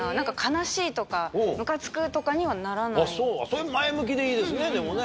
それ前向きでいいですねでもね。